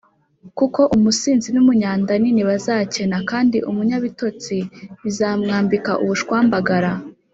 kuko umusinzi n’umunyandanini bazakena, kandi umunyabitotsi bizamwambika ubushwambagara